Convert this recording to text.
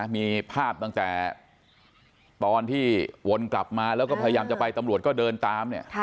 มีภาพตั้งแต่ตอนที่วนกลับมาแล้วก็พยายามจะไปตำรวจก็เดินตามเนี่ย